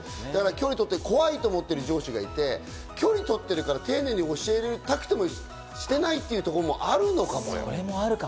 距離を取って怖いと思ってる上司がいて距離をとってるから、丁寧に教えたくても、してないというところもあるのかもよ。